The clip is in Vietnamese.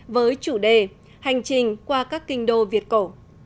với chủ đề hành trình qua các kinh đô việt cổ